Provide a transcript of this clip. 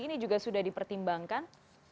ini juga sudah dipertimbangkan